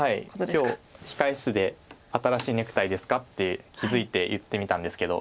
今日控え室で「新しいネクタイですか？」って気付いて言ってみたんですけど